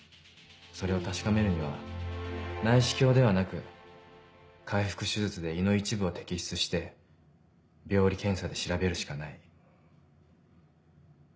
それを確かめるには内視鏡ではなく開腹手術で胃の一部を摘出して病理検査で調べるしかない。